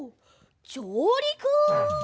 じょうりく！